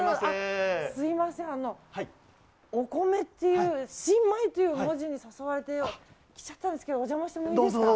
すみません新米という文字に誘われて、来ちゃったんですけどお邪魔してもいいですか。